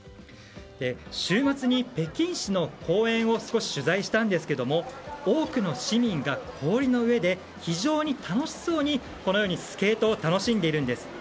週末に北京市の公園を取材したんですけれども多くの市民が氷の上で非常に楽しそうにスケートを楽しんでいるんです。